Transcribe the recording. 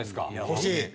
欲しい。